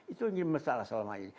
itu masalah selama ini